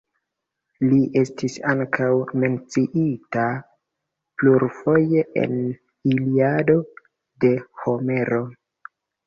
Li estis ankaŭ menciita plurfoje en "Iliado", de Homero.